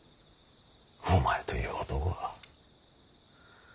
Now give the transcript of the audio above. お前という男は。